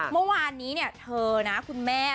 เมื่อวานนี้เธอนะคุณแม่